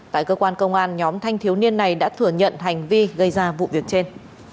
tại cơ quan công an nhóm thanh thiếu niên này đã thừa nhận hành vi gây ra vụ việc trên